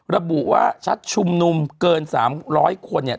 ระบุว่าชัดชุมนุมเกิน๓๐๐คนเนี่ย